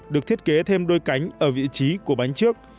được thiết kế thêm đôi cánh ở vị trí của bánh trước